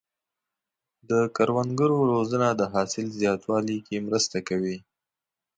د کروندګرو روزنه د حاصل زیاتوالي کې مرسته کوي.